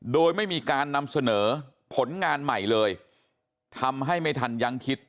โดยไม่มีการนำเสนอผลงานใหม่เลยทำให้ไม่ทันยังคิด